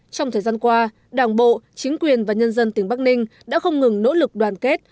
trong thời gian qua đảng bộ chính quyền và nhân dân tỉnh bắc ninh đã không ngừng nỗ lực đoàn kết